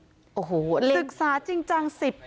เป็นพระรูปนี้เหมือนเคี้ยวเหมือนกำลังทำปากขมิบท่องกระถาอะไรสักอย่าง